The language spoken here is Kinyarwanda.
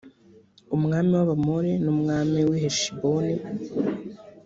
umwami w abamori numwami w i heshiboni